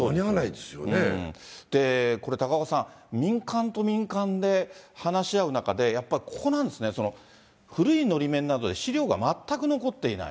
で、これ、高岡さん、民間と民間で話し合う中で、やっぱりここなんですね、古いのり面なので資料が全く残っていない。